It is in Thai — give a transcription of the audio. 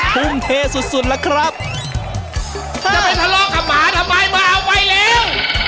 ภูมิเทสุดสุดแล้วครับจะไปทะโรกกับหมาทำไมมาเอาไปแล้ว